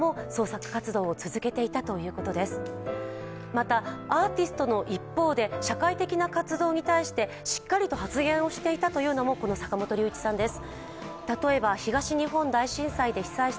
また、アーティストの一方で社会的な活動に対してしっかりと発言をしていたというのも、この坂本龍一さんです。